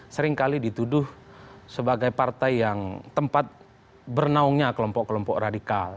seringkali dituduh sebagai partai yang tempat bernaungnya kelompok kelompok radikal